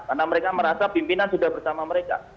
karena mereka merasa pimpinan sudah bersama mereka